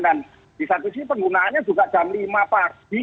dan di satu sini penggunaannya juga jam lima pagi